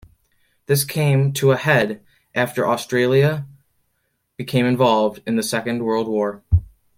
This came to a head after Australia became involved in the Second World War.